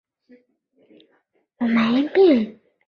青年探索职场